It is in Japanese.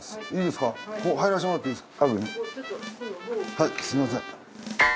はいすみません。